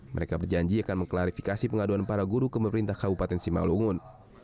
mereka berjanji akan mengklarifikasi pengaduan para guru ke pemerintah kabupaten simalungun